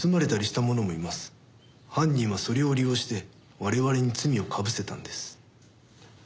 犯人はそれを利用して我々に罪をかぶせたんです。